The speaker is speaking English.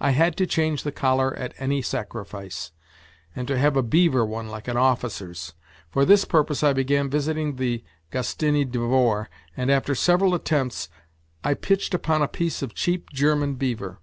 I had to change the collar at any sacrifice, and to have a beaver one like an officer's. For this purpose I began visiting the Gostiny Dvor and after several attempts I pitched upon a piece of cheap German beaver.